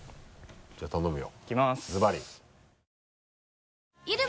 じゃあ頼むよ。